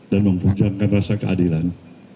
dan memperjuangkan rasa keadilan